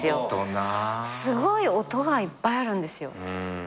すごい音がいっぱいあるんですよ。